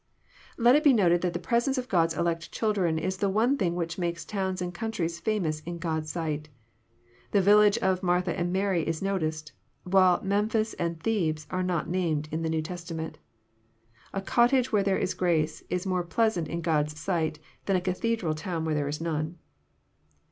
Let it be noted that the presence of God's elect children is the one thing which makes towns and countries famous in God's sight. The village of Martha and Mary is noticed, while Mem phis and Thebes are not named in the New Testament. A cot tage where there is grace, is more pleasant in God's sight than a cathedral town where there is none.